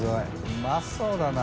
うまそうだな。